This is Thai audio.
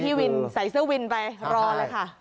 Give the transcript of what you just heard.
พี่วินใส่เสื้อวินไปรอเลยค่ะ